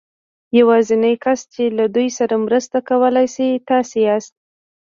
يوازېنی کس چې له دوی سره مرسته کولای شي تاسې ياست.